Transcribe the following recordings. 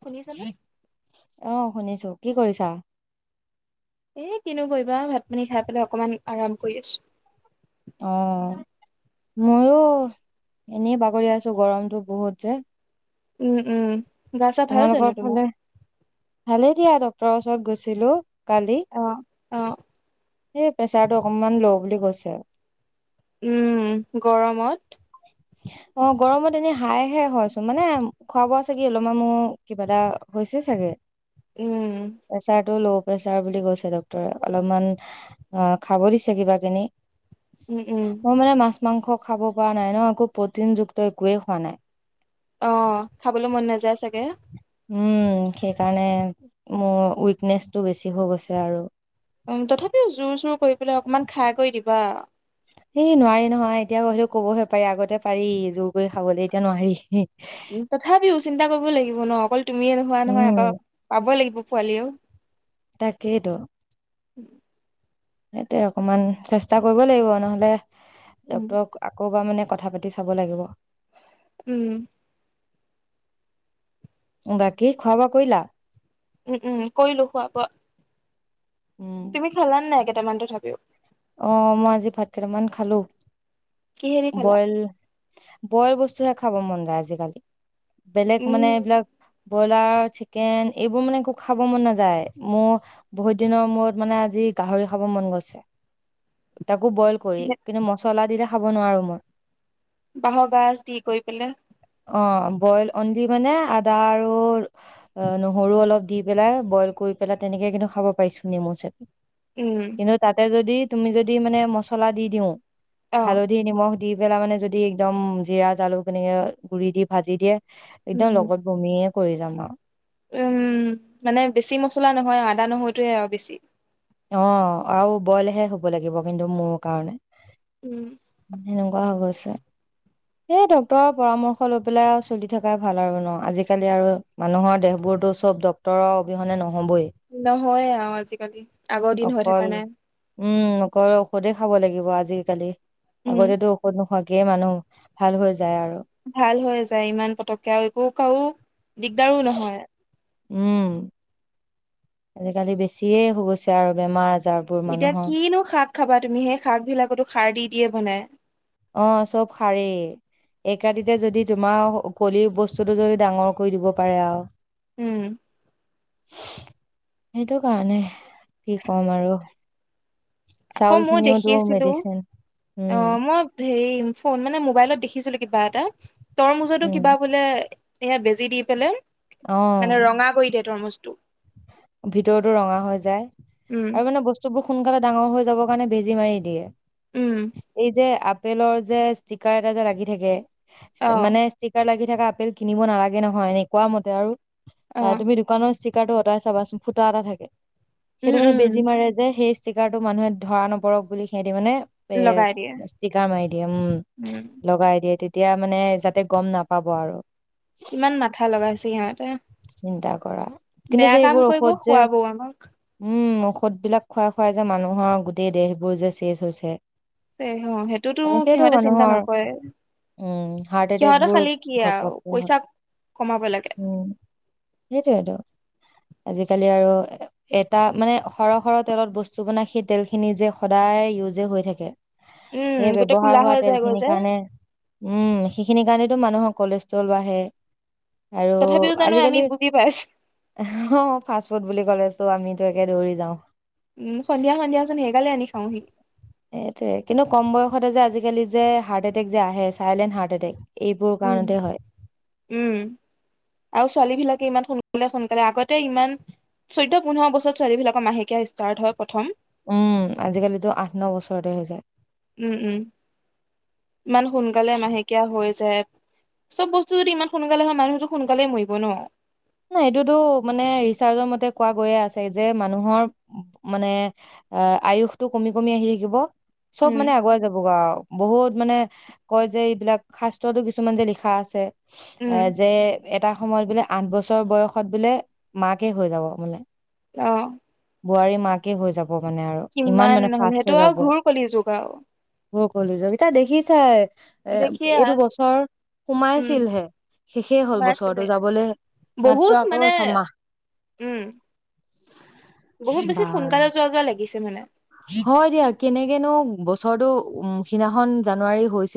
শুনিছানে? অহ ', শুনিছো কি কৰিছা? এ ', কিনো কৰিবা ভাত-পানী খাই পেলাই অকণমান আৰাম কৰি আছো। অ', ময়ো এনেই বাগৰি আছো গৰমটো বহুত যে', - উম ', -উম', গা চা ভাল তোমালোকৰ জানো তোমাৰ? ফালে ভালেই। এতিয়া ডক্টৰৰ ওচৰত গৈছিলো। কালি। অহ', সেই প্ৰেচাৰটো অকনমান ল' বুলি কৈছে। উম', গৰমত অ', গৰমত এনে হাইহে হয় চোন মানে খোৱা- -বোৱা চাগে অলপমমান মোৰ কিবা এটা হৈছে চাগে। উম, প্ৰেচাৰটো ল', প্ৰেচাৰ বুলি কৈছে ডক্তৰে, অলপমান খাব দিছে কিবা কিনি। উম-উম মই মানে মাছ মাংস খাব। খোৱা নাই ন', একো প্ৰটিন যুক্ত একোৱে খোৱা নাই। অ', খাবলৈ মন নাযায় চাগে। উম ', সেইকাৰণে মোৰ উইকনেচটো বেছি হৈ গৈছে আৰু, উম্ তথাপিও জোৰ- চোৰ কৰি পেলাই অকমান খাই কৰি দিবা। এই নোৱাৰি নহয়, এতিয়া সলেও কবহে পাৰি আগতে পাৰি জোৰ কৰি খাবলে এতিয়া নোৱাৰি। তথাপিও চিন্তা কৰিবই লাগিব ন', অকল তুমিয়ে নোহোৱা নহয়, উম আকৌ পাবই লাগিব। পোৱালিও, তাকেইতো উম, সেইটোৱে অকমান চেষ্টা কৰিব লাগিব নহলে, উম, ডক্তৰক আকৌ বা মানে, - কথা-পাতি চাব লাগিব। উম বাকী খোৱা বোৱা কৰিলা উম উম কৰিলো খোৱা বোৱা উম তুমি খালা নাই কিমান টো থাকিও অ মই আজি ভাত কেইটামান খালো কিহেদি খালা? বইল বইল বস্তুহে খাব মন যায় আজিকালি বেলেগ মানে উম, এইবিলাক ব্ৰইলাৰ চিকেন এইবোৰ মানে এক খাব মন নাযায় মোৰ বহুত দিনৰ মূৰত মানে আজি গাহৰি খাব মন গৈছে তাকো বইল কৰি কিন্তু মচলা দি খাব নোৱাৰোঁ মই বাহঁ গাচ কৰি পলে অ বইল অনলি মানে আদা আৰু নহৰু অলপ দি পেলাই বইল কৰি পেলাই তেনেকে কিন্তু খাব পাৰিছো নেমু চে উম, কিন্তু ততে যদি তুমি যদি মানে মছলা দি দিওঁ অ'। হালধি নিমখ দি পেলাই মানে যদি একদম জিৰা জালুক গুৰি দি ভাজি দিয়ে উম একদম উম। লগত বমিয়ে কৰি যাম আৰু উম মানে বেছি মছলা নহয় আদা নহয়তোৱে আৰু বেছি অ আৰু বইলহে হব লাগিব কিন্তু মোৰ কাৰণে উম সেনেকুৱা হৈ গৈছে এই ডক্তৰৰ পৰামৰ্শ লৈ পেলাই চলি থকাই ভাল আৰু ন আজিকালি আৰু মানুহৰ দেহবোৰতো চব ডক্তৰৰ অবিহনে নহয় নহয় আৰু আজিকালি আগৰ দিন হৈ অকল থকা নাই উম অকল ঔষধে খাব লাগিব আজিকালি আগতেটো ঔষধ নোখোৱাকেই মানুহ ভাল হৈ যায় আৰু ভাল হৈ যায় ইমান পতককে আৰু একো কাৰো দিগদাৰো নহয় উম আজিকালি বেছিয়ে হৈ গৈছে আৰু বেমাৰ আজাৰ এতিয়া কিনো শাক খাবা তুমি সেই শাক বিলাকতো হাৰ দি দিয়ে বনাই অ চব হাৰেই এক ৰাতিতে যদি তোমাৰ কলি বস্তুটো যদি ডাঙৰ কৰি দিব পাৰে আৰু উম সেইটো কাৰণে কি কম আৰু আকৌ চাউল মই দেখি খিনিওতো আছিলো মেডিচিন উম অহ ', মই হেৰি ফোন মানে মোবাইলত দেখিছিলো কিবা এটা। তৰমুজতো উম কিবা বোলে। এয়া বেজি দি পেলাই। মানে ৰঙা কৰি দিয়ে। তৰমুজতো। ভিতৰটো ৰঙা হৈ যায় উম আৰু মানে বস্তু বোৰ সোনকালে ডাঙৰ হৈ যাবৰ কাৰণে বেজি মাৰি উম দিয়ে। এই যে আ আপেলৰ যে ষ্টিকাৰ এটা যে লাগি থাকে। অ মানে ষ্টিকাৰ লাগি। থকা আপেল কিনিব নালাগে নহয় এনেই কোৱা মতে আৰু। অ অহ ', তুমি দোকানৰ ষ্টিকাৰটো আঁতৰাই চাবাচোন ফুটা এটা থাকে। উম সেইটো মানে উম বেজি মাৰে যে সেই ষ্টিকাৰটো মানুহে ধৰা নপৰক বুলি সে তি মানে এ লগাই দিয়ে। ষ্টিকাৰ মাৰি দিয়ে উম', লগাই দিয়ে তেতি তিয়া মানে যাতে গম নাপাব আৰু। কিমান মাথা লগাইছে সিহঁতে চিন্তা কৰা। কিন্তু বেয়া যে কাম এইবোৰ কৰিব ঔষধ যে খুৱাব আমাক। উম', ঔষধ ঔষধ বিলাক খুৱাই -খুৱাই যে মানুহৰ গোটেই দেহবোৰ যে চেজ হৈছে। তে, হ, সেইটোতো এনেকেইতো সিহঁতে চিন্তা মানুহৰ নকৰে, উম হাৰ্ট এটেক সিহঁতৰ বোৰ খালী কি আৰু ঘপককে হয় পইচা কমাব লাগে। সেইটোৱেতো আজিকালি আৰু এটা মানে সৰহ - সৰহ তেলত বস্তু বনাই সেই তেলখিনি যে সদায় ইউজে হৈ থাকে। উম সেই গোটেই ব্যৱহাৰ কোলা হোৱা হৈ তেল যায়গৈ খিনিৰ যে কাৰণে উম', সেইখিনিৰি কাৰণেতো মানুহৰ কলেষ্ট্ৰল বাহে। আৰু তথাপিও জানো আমি আজিকালি বুজি পাইছো অহ ', ফাষ্ট ফুড বুলি কলে আমিতো একে দৌৰি যাওঁ। হয়নি সেইটো কিন্তু কম বয়সতে যে আজিকালি যে হাৰ্ট এটেক যে আহে চাইলেণ্ট হাৰ্ট এটেক। এইবোৰ উম ', কাৰণতে হয় - উম ', আৰু ছোৱালী বিলাকে ইমান শুন লে সোনকালে আগতে ইমান চৈধ্য পোন্ধৰ বছৰ ছোৱালী বিলাকৰ মাহেকীয়া ষ্টাৰ্ট হয় প্ৰথম উম আজিকালিতো আঠ ন বছৰতে হৈ যায় উম', - উম ', ইমান সোনকালে মাহেকীয়া হৈ আছে। জে চব বস্তু যদি ইমান সোনকালে হয় মানুহটো সোনকালে মৰিব ন নাই এইটোতো মানে ৰিচাৰ্চৰ মতে কোৱা গৈয়ে আছে যে মানুহৰ মানে আয়ুসটো কমি কমি আহি থাকিব চব উম মানে আগুৱাই যাব গে আও বহুত মানে কয় যে এইবিলাক শাস্ত্ৰতো কিছুমান যে লিখা আছে [unintelligible] অ উম যে এটা সময়ত বোলে আঠ বছৰ বছৰ বয়সত বোলে মাকে হৈ যাব মানে অহ বোৱাৰী মাকে হৈ যাব মানে আৰু ইমান কিমান মানে নহ'লে সেইটো আৰু ঘুৰ কলি যুগ আও ঘোৰ কলিযুগ এতিয়া দেখিছাই এ দেখিয়ে এইটো আছ বছৰ উম সোমাইছিলহে শেষেই হ'ল কিমান আছিলে বছৰটো যাবলৈ মাত্ৰ বহুত আকৌ মানে ছমাহ উম বহুত বেছি বা সোনকালে যোৱা যোৱা লাগিছে মানে হয় দিয়া কেনেকেনো বস্ বছৰটো উম সিনাখনন জানুৱাৰী হৈছে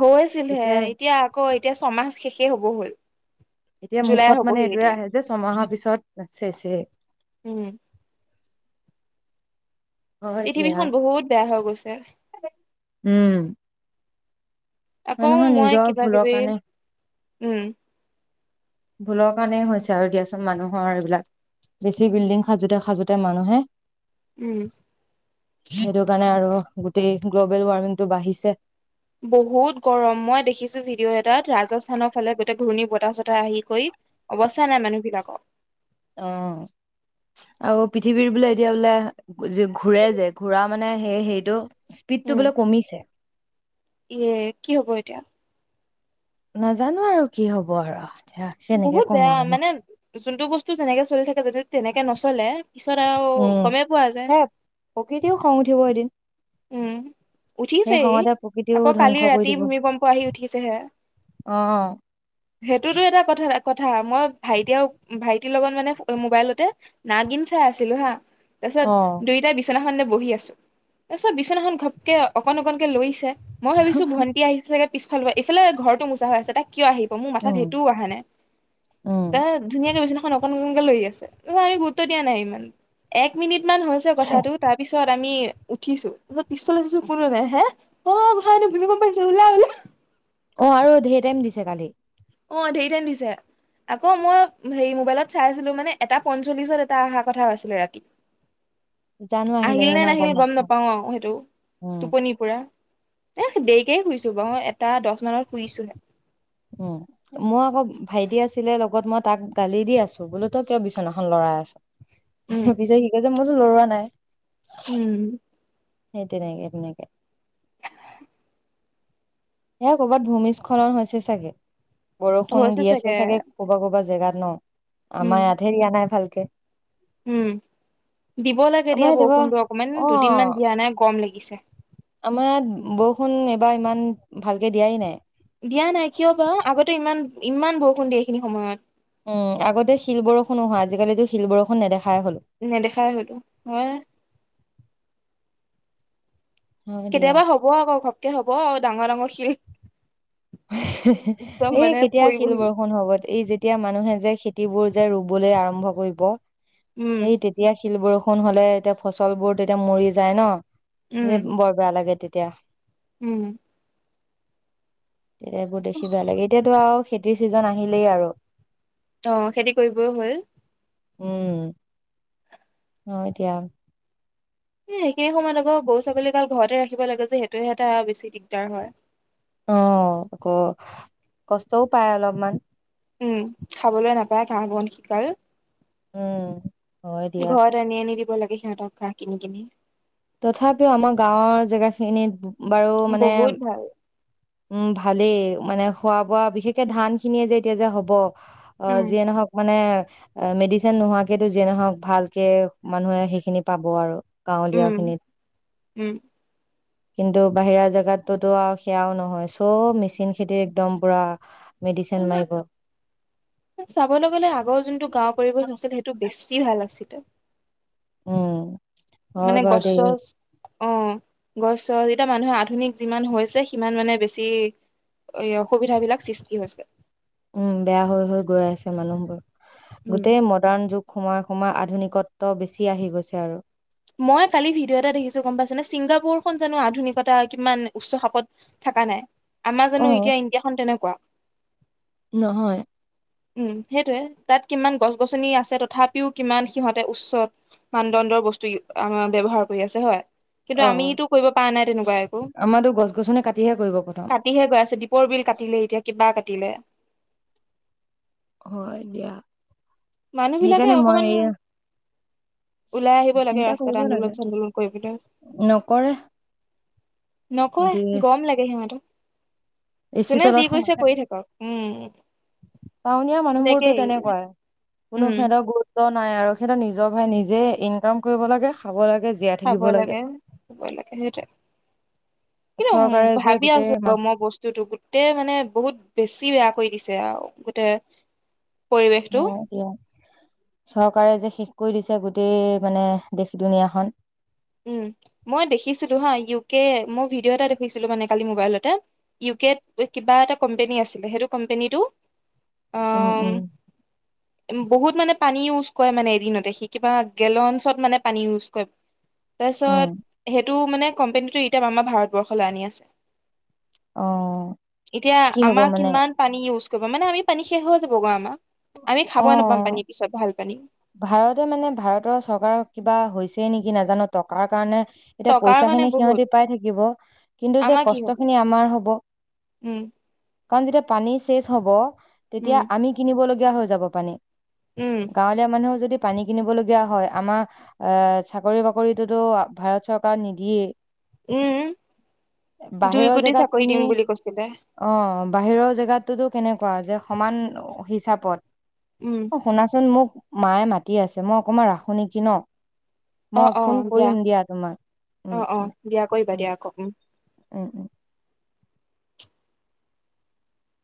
হৈছিলহে এতিয়া আকৌ এতিয়া ছমাহ শেষেই হব হ'ল এতিয়া জুলাই মুখত মানে হ'বহি এইটোয়ে এতিয়া আহে যে ছমাহৰ পিছত চেছে উম দিয়া পৃথিৱীখন বহুত বেয়া হৈ গৈছে উম আকৌ মানুহৰ মই নিজৰ কিবা ভুলৰ কিবি কাৰণে উম ভুলৰ কাৰণেই হৈছে আৰু দিয়াচোন মানুহৰ এইবিলাক বেছি বিল্ডিং সাজোতে সাজোতে মানুহে উম সেইটো কাৰণে আৰু গোটেই গ্ল'বেল ৱাৰ্মিং টো বাঢ়িছে বহুত গৰম মই দেখিছো ভিডিঅ' এটাত ৰাজস্থানৰ ফালে তে ঘূৰ্ণি বতাহ চতাহ আহি গৈ অৱস্থা নাই মানুহ বিলাক অ আৰু পৃথিৱীৰ বোলে এতিয়া বোলে ঘূৰে যে ঘূৰা মানে সেই হেৰিটো স্পীডটো উম বোলে কমিছে ইয়ে কি হব এতিয়া নাজানো আৰু কি হব আৰু এতিয়া কেনেকে বহুত কম বেয়া আৰু ন মানে যোনটো বস্তু যেনেকে চলি থাকে যদি তেনেকে নচলে পিছত আৰু উম গমেই পোৱা যায় সে প্ৰকৃতিও খং উঠিব এদিন উম সেই উঠিছেই খঙতে প্ৰকৃতিও আকৌ ধ্বংস কালি কৰি ৰাতি দিব। ভূমিকম্প আহি উঠিছেহে অ সেইটোতো এটা কথা কথা মই ভাইটিয় ভাইটিৰ লগত মানে মোবাইলতে নাগিন চাই আছিলো হা তাৰ পিছত উম দুয়োটাই বিচনাখনতে বহি আছো তাৰপিছত বিছনাখন ঘটকে অকণ অকনকে লৈছে মই ভাবিছো ভণ্টি আহিলচাগে পিছ ফালে এইফালে ঘৰতো মোচা হৈ আছে তাক কিয় আহিব মোৰ মাথাত সেইটোও অহা নাই উম এ ধুনীয়াকে বিছনা অকনকে লৈ আছে ন আমি গুৰুত্ব দিয়া নাই ইমান এক মিনিট কিমান হৈছে কথাটো তাৰ পিছত আমি উঠিছো তত পিছফালে চাইছোঁ কোনো নাই হা অ ভাইটি ভুমিকম্প আহিছে ওলা ওলা অ আৰু ধেই টাইম দিছে কালি অ ধেই টাইম দিছে আকৌ মই হেই মোবাইলত চাই আছিলো মানে এটা পঞ্চল্লিশত এটা অহা কথা আছিলে ৰাতি জানো আহিলে আহিল নে নাই নাহিল গম নাপাওঁ নাপাও অ সেইটো উম টোপনিৰ পৰা এ দেৰিকেই শুইছো বাও এটা দহ মানত শুইছোহে উম মোৰ আকৌ ভাইটি আছিলে লগত মই তাক গালি দি আছো বোলো তই কিয় বিচনা খন ল'ৰাই উম আছ পিছত সি কৈ যে মইতো লৰোৱা নাই উম সেই তেনেকে তেনেকে অ হয়‌ কৰবাত ভূমিস্খলন হৈছে চাগে বৰষুণ দি আছে চাগে কবা কবা জেগাত ন উম আমাৰ ইয়াত হেৰিয়া নাই ভালকে তাকে উম দিব লাগে আমাৰ দিয়া ইয়াত এইবাৰ বৰষুণ অকমান দুদিন অ মান দিয়া নাই গৰম লাগিছে আমাৰ ইয়াত বৰষুণ এইবাৰ ইমান ভালকে দিয়াই নাই দিয়া নাই কিয় বা আগতে ইমান ইমান বৰষুণ দিয়ে এইখিনি সময়ত উম আগতে শিল বৰষুণো হয় আজিকালিতো শিল বৰষুণ নেদেখা নেদেখাই হতো ম হয় দিয়া কেতিয়াবা হব আকৌ ঘপকে হ'ব হব ডাঙৰ ডাঙৰ শিল্ এই কেতিয়া শিল পৰিবহি বৰষুন হব এই যেতিয়া মানুহে যে খেতিবোৰ যে ৰুবলৈ আৰম্ভ কৰিব উম সেই তেতিয়া শিল ব বৰষুণ হলে এতিয়া ফচল বোৰ তেতিয়া মৰি যায় ন উম বৰ বেয়া লাগে তেতিয়া তেতিয়া উম এতিয়া এইবোৰ দেখি ভাল লাগে এতিয়াতো আৰু খেতিৰ ছিজন আহিলেই আৰু অ খেতি কৰিবও হল উম অঁ এতিয়া সেইখিনি সময়ত আকৌ গৰু ছাগলীকাল ঘৰতে ৰাখিব লাগে যে সেইটোে এটা বেছি দিগদাৰ হয় অঁ আকৌ কষ্টও পায় অলপমান উম খাবলৈ নাপায় ঘাঁহ বন শিকাল উম হয় দিয়া ঘৰ আনি আনি দিব লাগে সে ত খা কিন কিনি তথাপিও আমাৰ গাঁওৰ জেগা খিনিত বাৰু মানে বহুত ভাল উম ভালেই মানে খোৱা বোৱা বিশেষকৈ ধান খিনিয়ে যে এতিয়া যে হ'ব অঃ উম যিয়ে নহওক মানে মেডিচিন নোহোৱাকে যেনেহওক ভালকে মানুহে সেইখিনি পাব আৰু উ গাঁৱলীয়া খিনিত উম কিন্তু বাহিৰা জোগাতটোতো আৰু সেয়াও নহয় চ' মেচিন খেতি একদম পুৰা মেডিচিন মাৰিব চাবলৈ গলে আগৰ যোনটো গাওঁ পৰি আছিল সেইটো বেছি ভাল আছিল [unintelligible] উমমম মানে গছ চছ অঁ গছ চছ যেতিয়া মানুহে আধুনিক যিমান হৈছে সিমান মানে বেছি অসুবিধা বিলাক সৃষ্টি হৈছে উম বেয়া হৈ হৈ গৈ আছে মানুহবোৰ গোটেই মডাৰ্ণ যুগ সময় সমাৰ আধুনিকত্ব বেছি আহি গৈছে আৰু মই কালি ভিডিঅ' এটা দেখিছোঁ গম পাইছেনে ছিংগাপুৰ খ জানো আধুনিকতা কিমান উচ্চ সাপত থকা নাই আমাৰ অ জানো এতিয়া ইণ্ডিয়া খন তেনেকুৱা নহয় উম সেইটোয়ে তাত কিমান গছ গছনি আছে তথাপিও কিমান সিহঁতে উচ্চ মানদণ্ডৰ বস্তু ইউ আমাৰ ব্যৱহাৰ কৰি আছে হয় কিন্তু অ আমিতো কৰিব পৰা নাই তেনেকুৱা একো আমাৰতো গছ গছনি কাটিহে কৰিব প্ৰথম। কাটিহে গৈ আছে দীপৰ বিল কাটিলে এতিয়া কিবা কাট দিলে হয় দিয়া মানুহ বিলাকে সেইকাৰণে মই অকমান এই ওলাই আহিব লাগে চিন্তা কৰিব ৰাস্তাত লাগে আন্দোলন চান্দোলন কৰিবলৈ নকৰে সিহঁতি নকয় গৰম লাগে সিহঁতক এচি যোনে যি তলত সোমাই কৈছে কৰি থাকে। থাকক উম টাউনীয়া মানুহবোৰতো সেনেকেই তেনেকুৱাই কোনো উম ফল্টৰ গুৰুত্ব নাই আৰু সেইটো নিজৰ ভাই নিজে ইনকাম কৰিব লাগে খাব লাগে জীয়াই খাব থাকিব লাগে সুৱ লাগে সেইটোয়ে কিন্তু চৰকাৰে যে ভাবি গোটেই আছোঁ মাহ মই বস্তুতটো গোটেই মানে বহুত বেছি বেয়া কৰি দিছে যাও গোটেই পৰিৱেশটো অ এতিয়া চৰকাৰে যে শেষ কৰি দিছে এতিয়া গোটেই মানে দেশী দুুনীয়াখন হু মই দেখিছিলো হা ইউ কে মই ভিডিঅ' এটা দেখিছিলো মানে কালি মোবাইলতে ইউকেত কিবা এটা কোম্পানী আছিলে সেইটো কোম্পানিটো অ উম উম বহুত মানে পানী ইউজ কৰে মানে এদিনতে সি কিবা গেলঞ্চত মানে পানী ইউজ কৰে উম তাৰপিছত সেইটো মানে কোম্পেনীটো তেওঁ আমাৰ ভাৰতবৰ্ষলৈ আনি আছে অ এতিয়া কি হব আমাক মানে কিমান পানী ইউজ কৰিব মানে আমি পানী শেষ হল [unintelligible] আমি খাব অ নাপাম পানী পিছত ভাল পানী ভাৰতে মানে ভাৰতৰ চৰকাৰৰ কিবা হৈছেই নেকি নাজানো টকাৰ কাৰণে এতিয়া টকাৰ পইচা কাৰণে খিনি বহুত সিহতি পাই থাকিব কিন্তু যে আমাৰ কি হ'ব কষ্ট খিনি আমাৰ হব উম কাৰণ যেতিয়া পানী কেছ হ'ব উম তেতিয়া আমি কিনিবলৈ য়া হৈ যাব পানী উম মানুহে যদি পানী কিনিব লগীয়া হয় আমাৰ আহ চাকৰি বাকৰিতো ভাৰত চৰকাৰে নিদিয়েই উম দুই বাহিৰৰ কোটি জেগাত চাকৰি তুমি দিম বুলি কৈছিলে অ বাহিৰৰ জেগাতোতো কেনেকুৱা যে সমান হিচাপত উম অ শুনাচোন মোক মায়ে মাতি আছে মই অকমান ৰাখো নেকি ন অ মই অ ফোন দিয়া কৰিম তোমাক উম অ অ দিয়া কৰিবা উম দিয়া আকৌ উ উম উম